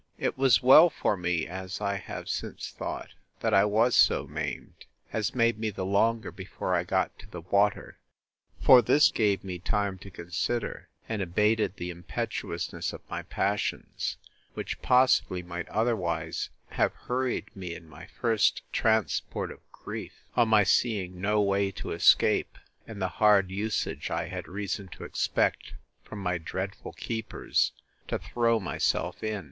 It was well for me, as I have since thought, that I was so maimed, as made me the longer before I got to the water; for this gave me time to consider, and abated the impetuousness of my passions, which possibly might otherwise have hurried me, in my first transport of grief, (on my seeing no way to escape, and the hard usage I had reason to expect from my dreadful keepers,) to throw myself in.